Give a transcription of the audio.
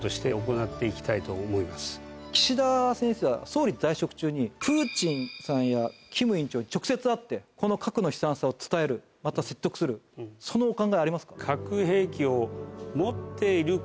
岸田先生は総理在職中に。に直接会ってこの核の悲惨さを伝えるまた説得するそのお考えありますか？